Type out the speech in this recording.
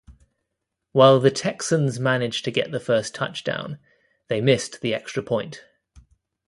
While the Texans managed to get the first touchdown, they missed the extra point.